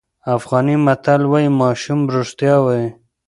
افغاني متل وایي ماشوم رښتیا وایي.